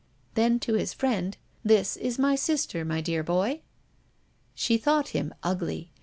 Then, to his friend: "This is my sister, my dear boy." She thought him ugly.